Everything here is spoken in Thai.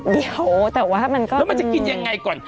เดี๋ยวแต่ว่ามันก็แล้วมันจะกินยังไงก่อน